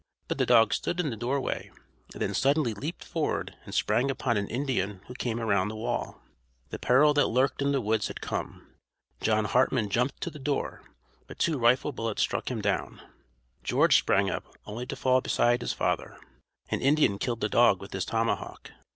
But the dog stood in the doorway, and then suddenly leaped forward and sprang upon an Indian who came around the wall. The peril that lurked in the woods had come. John Hartman jumped to the door, but two rifle bullets struck him down. George sprang up, only to fall beside his father. An Indian killed the dog with his tomahawk.